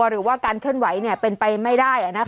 หรือว่าการเคลื่อนไหวเนี่ยเป็นไปไม่ได้อะนะคะ